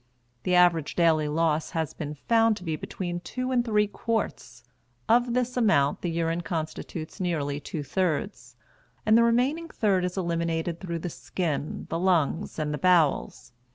The average daily loss has been found to be between two and three quarts. Of this amount the urine constitutes nearly two thirds; and the remaining third is eliminated through the skin, the lungs, and the bowels.